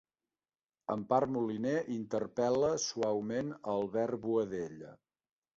Empar Moliner interpel·la suaument a Albert Boadella